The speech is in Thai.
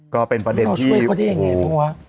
ก็เป็นประเด็นที่โอ้โห